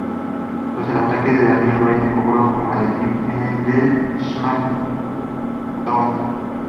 Tras el ataque, Daniel Bryan cobró su maletín del "SmackDown!